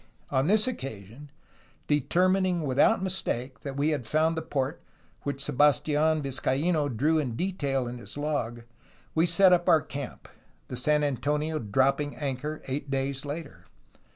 On this occasion, determining without mistake that we had found the port which Sebastian Vizcaino drew in detail in his log, we set up our camp, the San Antonio dropping anchor eight days later.